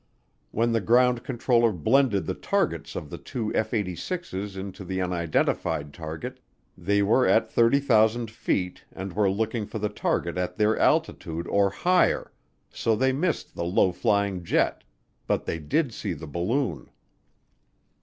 When the ground controller blended the targets of the two F 86's into the unidentified target, they were at 30,000 feet and were looking for the target at their altitude or higher so they missed the low flying jet but they did see the balloon.